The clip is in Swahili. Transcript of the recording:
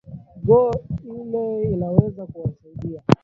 go ile inaweza kuwasaidia